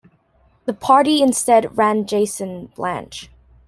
The party instead ran Jason Blanch.